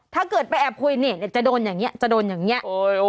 ถ้าเกิดไปแอบคุยเนี่ย